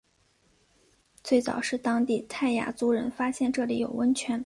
最早是当地泰雅族人发现这里有温泉。